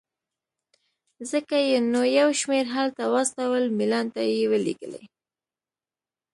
ځکه یې نو یو شمېر هلته واستول، میلان ته یې ولېږلې.